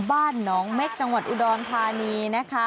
บ้านหนองเม็กจังหวัดอุดรธานีนะคะ